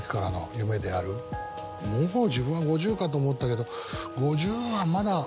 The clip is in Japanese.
もう自分は５０かと思ったけど。